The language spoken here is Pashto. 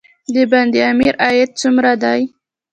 د بند امیر عاید څومره دی؟